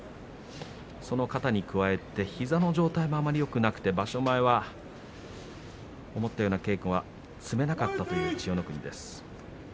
その肩に加えて膝の状態があまりよくなくて、場所前は思ったような稽古が積めなかったという千代の国です。